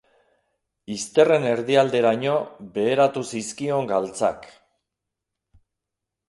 Izterren erdialderaino beheratu zizkion galtzak.